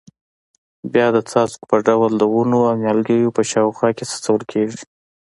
بیا د څاڅکو په ډول د ونو او نیالګیو په شاوخوا کې څڅول کېږي.